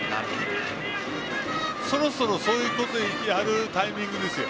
そろそろ、そういうことやるタイミングですよ。